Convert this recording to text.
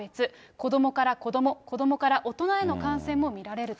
子どもから子ども、子どもから大人への感染も見られると。